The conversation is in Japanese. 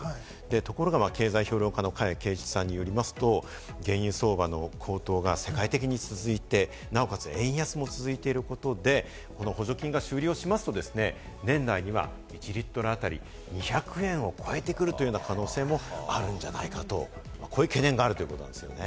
ところが経済評論家の加谷珪一さんによりますと、原油相場の高騰が世界的に続いて、なおかつ円安も続いていることで、この補助金が終了しますとですね、年内には１リットル当たり２００円を超えてくるという可能性もあるんじゃないかと、こういう懸念があるということですよね。